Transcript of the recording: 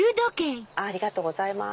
ありがとうございます。